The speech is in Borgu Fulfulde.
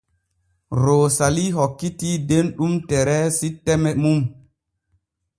Roosali hokkitii Denɗum Tereesi teme mum.